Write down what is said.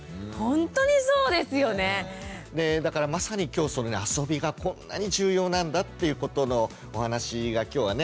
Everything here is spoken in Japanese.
まさに今日そのあそびがこんなに重要なんだっていうことのお話が今日はね